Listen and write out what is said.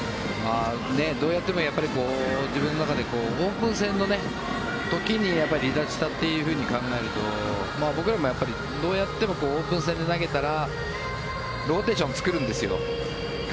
どうやっても自分の中で、オープン戦の時に離脱したと考えると僕らもやっぱり、どうやってもオープン戦で投げたらローテーションを作るんですよ。